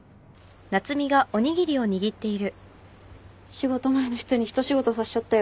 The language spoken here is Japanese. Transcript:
仕事前の人にひと仕事させちゃったよ。